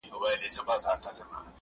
چا له دم چا له دوا د رنځ شفا سي،